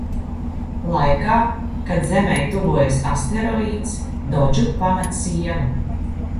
Laikā, kad Zemei tuvojas asteroīds, Dodžu pamet sieva.